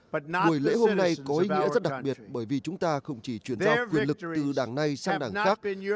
và buổi lễ hôm nay có ý nghĩa rất đặc biệt bởi vì chúng ta không chỉ chuyển giao quyền lực từ đảng này sang đảng khác